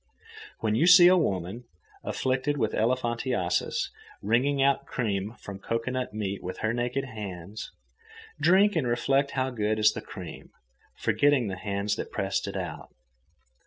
When you see a woman, afflicted with elephantiasis wringing out cream from cocoanut meat with her naked hands, drink and reflect how good is the cream, forgetting the hands that pressed it out.